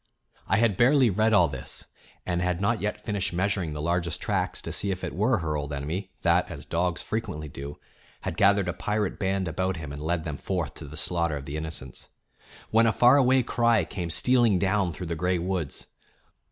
I had barely read all this, and had not yet finished measuring the largest tracks to see if it were her old enemy that, as dogs frequently do, had gathered a pirate band about him and led them forth to the slaughter of the innocents, when a far away cry came stealing down through the gray woods.